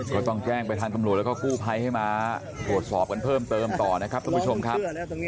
ก็ต้องแจ้งบริฐานกำรวจและกู้ไภให้มาโทรศอบกันเพิ่มเติมต่อนะครับทุกคุณผู้ชมครับ